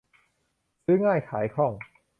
ซื้อง่ายขายคล่อง